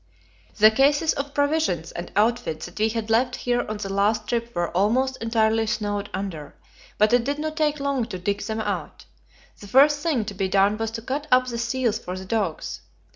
The cases of provisions and outfit that we had left here on the last trip were almost entirely snowed under, but it did not take long to dig them out. The first thing to be done was to cut up the seals for the dogs.